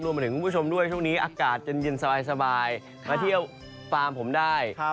มาถึงคุณผู้ชมด้วยช่วงนี้อากาศเย็นสบายมาเที่ยวฟาร์มผมได้